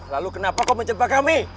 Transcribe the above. lalu kenapa kau mencoba kami